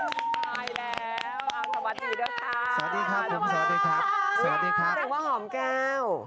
สวัสดีครับ